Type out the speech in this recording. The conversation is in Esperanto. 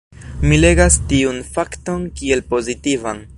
Mi legas tiun fakton kiel pozitivan.